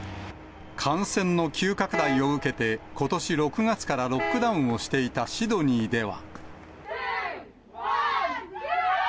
感染の急拡大を受けて、ことし６月からロックダウンをしていたシドニーでは。